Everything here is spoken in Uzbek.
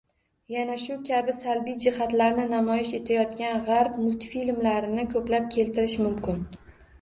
Yana shu kabi salbiy jihatlarni namoyish etayotgan G`arb multfilmlarini ko`plab keltirish mumkin